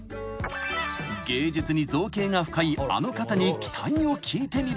［芸術に造詣が深いあの方に期待を聞いてみると］